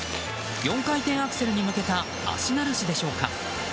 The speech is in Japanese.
４回転アクセルに向けた足慣らしでしょうか。